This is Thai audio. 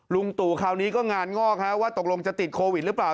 ตู่คราวนี้ก็งานงอกว่าตกลงจะติดโควิดหรือเปล่า